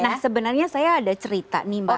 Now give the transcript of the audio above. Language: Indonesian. nah sebenarnya saya ada cerita nih mbak